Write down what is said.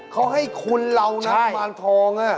เขาให้คุณเรานะหมอนทองล่ะ